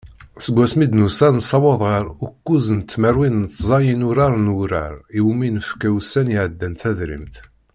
Segmi i d-nusa nessaweḍ ɣar ukkuẓ tmerwin d tẓa n yinurar n wurar iwumi nefka ussan iɛeddan tadrimt.